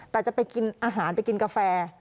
แต่จะไปกินอาหารไปกินกาแฟ